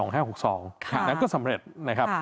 แล้วก็สำเร็จนะครับ